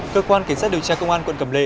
cơ quan cảnh sát điều tra công an quận cầm lệ